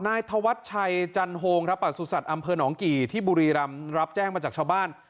นายธวัชชัยจันโฮงครับประสุทธิ์อำเภอหนองกี่ที่บุรีรำรับแจ้งมาจากชาวบ้าน